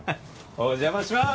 お邪魔します。